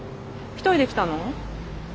１人で来たの？